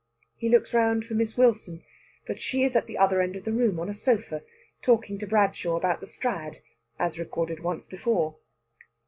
He looks round for Miss Wilson, but she is at the other end of the room on a sofa talking to Bradshaw about the Strad, as recorded once before.